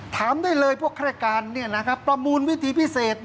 ถามได้เลยพวกราชการประมูลวิธีพิเศษ